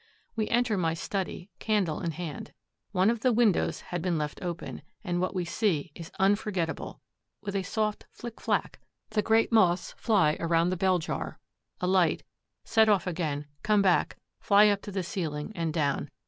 We enter my study, candle in hand. One of the windows had been left open, and what we see is unforgetable. With a soft flick flack the great Moths fly around the bell jar, alight, set off again, come back, fly up to the ceiling and down.